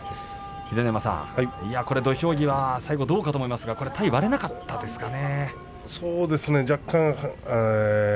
秀ノ山さん、土俵際最後どうかと思いましたが体が割れなかったですかね。